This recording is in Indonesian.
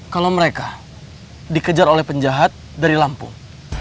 kalau mereka dikejar oleh penjahat dari lampung